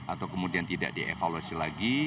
atau kemudian tidak dievaluasi lagi